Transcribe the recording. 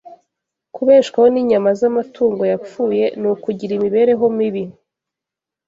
Kubeshwaho n’inyama z’amatungo yapfuye ni ukugira imibereho mibi,